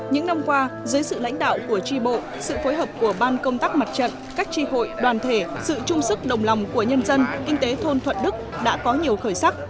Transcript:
những năm qua dưới sự lãnh đạo của tri bộ sự phối hợp của ban công tác mặt trận các tri hội đoàn thể sự trung sức đồng lòng của nhân dân kinh tế thôn thuận đức đã có nhiều khởi sắc